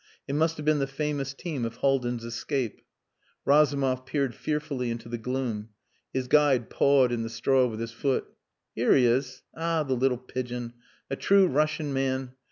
It must have been the famous team of Haldin's escape. Razumov peered fearfully into the gloom. His guide pawed in the straw with his foot. "Here he is. Ah! the little pigeon. A true Russian man.